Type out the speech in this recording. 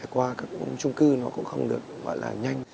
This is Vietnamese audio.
qua các trung cư nó cũng không được gọi là nhanh